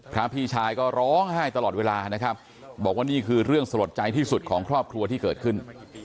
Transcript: พี่ชายก็ร้องไห้ตลอดเวลานะครับบอกว่านี่คือเรื่องสลดใจที่สุดของครอบครัวที่เกิดขึ้น